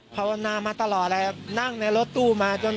ภาวนามาตลอดเลยครับนั่งในรถตู้มาจน